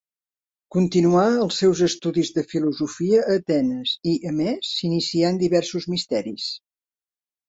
Continuà els seus estudis de filosofia a Atenes, i, a més, s'inicià en diversos misteris.